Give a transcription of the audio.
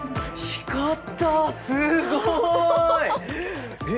光ったすごい！え？